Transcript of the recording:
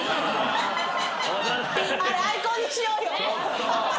あれアイコンにしようよ。